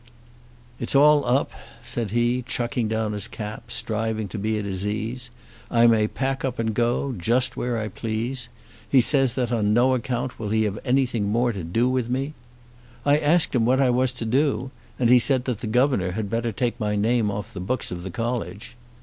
"It's all up," said he, chucking down his cap, striving to be at his ease. "I may pack up and go just where I please. He says that on no account will he have anything more to do with me. I asked him what I was to do, and he said that the governor had better take my name off the books of the college.